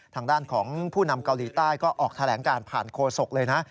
ทางด้านของผู้นำเกาหลีใต้ก็ออกแถลงการผ่านโคศกเลยนะ